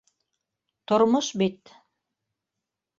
Тормош бит.